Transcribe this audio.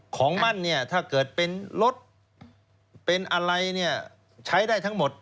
ของมั่นเนี่ยถ้าเกิดเป็นรถเป็นอะไรเนี่ยใช้ได้ทั้งหมด